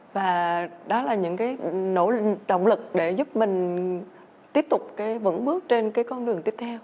và đó là những nỗ lực để giúp mình tiếp tục vững bước trên con đường tiếp theo